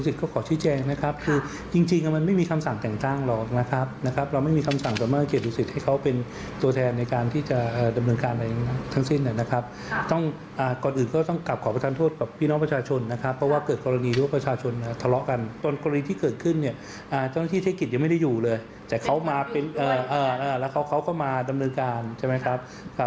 แต่เขามาเป็นแล้วเขาก็มาดำเนินการใช่ไหมครับ